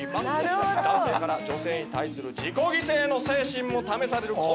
男性から女性に対する自己犠牲の精神も試されるこの競技。